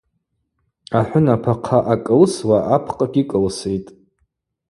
Ахӏвынап ахъа ъакӏылсуа апкъгьи кӏылситӏ.